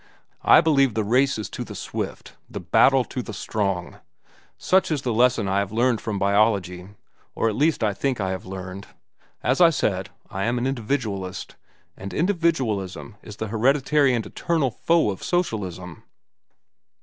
I believe the race is to the swift, the battle to the strong. Such is the lesson I have learned from biology, or at least think I have learned. As I said, I am an individualist, and individualism is the hereditary and eternal foe of socialism."